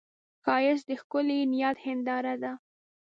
ښایست د ښکلي نیت هنداره ده